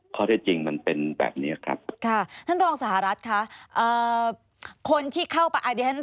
ข้อแท้จริงมันเป็นแบบนี้ครับ